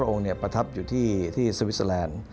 ทั้ง๒พระองค์ประทับอยู่ที่สวิสเซอเลนด์